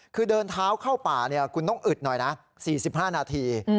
คือเดินเท้าเข้าป่าคุณต้องอึดหน่อยนะ๔๕นาที